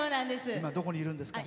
どこにいるんですか？